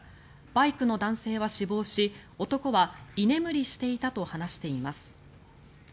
バイクの男性は死亡し男は居眠りしていたと話しています。